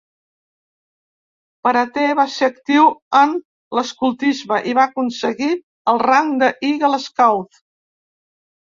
Parater va ser actiu en l'escoltisme, i va aconseguir el rang de Eagle Scout.